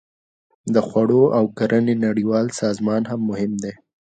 د خوړو او کرنې نړیوال سازمان هم مهم دی